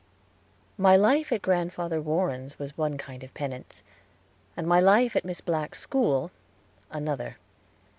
My life at Grandfather Warren's was one kind of penance and my life in Miss Black's school another.